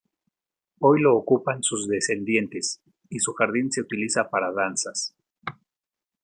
Hoy lo ocupan sus descendientes, y su jardín se utiliza para danzas.